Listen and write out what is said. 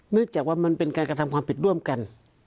เนื่องจากว่ามันเป็นการทำความผิดร่วมกัน